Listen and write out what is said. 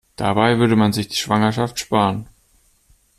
Dabei würde man sich die Schwangerschaft sparen.